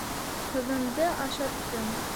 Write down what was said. Ҡыҙынды ашаттым.